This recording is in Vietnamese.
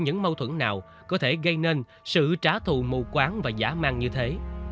những mâu thuẫn nào có thể gây nên sự trả thù mù quáng và dã man như thế